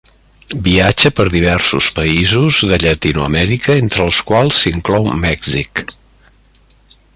Viatja per diversos països de Llatinoamèrica entre els quals s'inclou Mèxic.